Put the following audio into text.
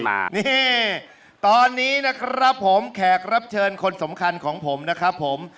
นี่ตอนนี้นะครับผมแขกรับเชิญคนสำคัญของผมนะครับผม